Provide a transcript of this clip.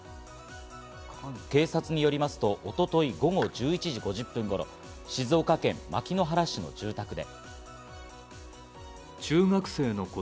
警察によりますと、一昨日午後１１時５０分頃、静岡県牧之原市の住宅で。